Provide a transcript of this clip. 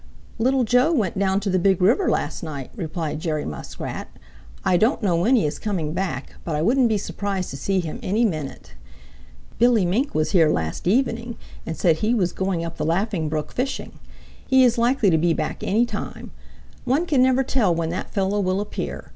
"Little Joe went down to the Big River last night," replied Jerry Muskrat. "I don't know when he is coming back, but I wouldn't be surprised to see him any minute. Billy Mink was here last evening and said he was going up the Laughing Brook fishing. He is likely to be back any time. One never can tell when that fellow will appear.